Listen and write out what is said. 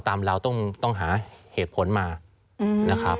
เราต้องหาเหตุผลมานะครับ